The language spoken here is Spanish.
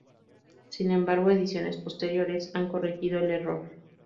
Sin embargo ediciones posteriores, han corregido el error.